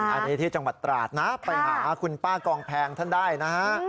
อันนี้ที่จังหวัดตราดนะไปหาคุณป้ากองแพงท่านได้นะฮะ